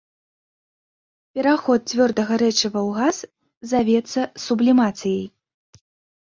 Пераход цвёрдага рэчыва ў газ завецца сублімацыяй.